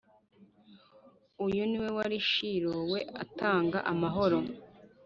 . Uyu ni We wari Shilo, We utanga amahoro